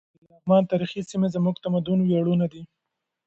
د لغمان تاریخي سیمې زموږ د تمدن ویاړونه دي.